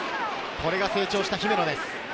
これが成長した姫野です。